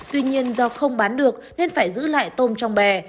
tuy nhiên do không bán được nên phải giữ lại tôm trong bè